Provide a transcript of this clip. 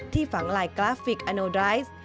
ที่ฝังลายกราฟิกอันโนไดรส์